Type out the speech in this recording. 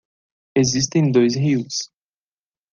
Existem dois rios